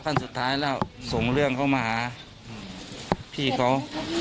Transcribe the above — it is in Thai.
ขั้นสุดท้ายแล้วส่งเรื่องเขามาหาพี่เขา